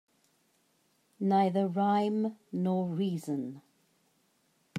Neither rhyme nor reason